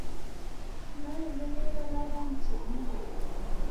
نه زه ویره لرم چې نه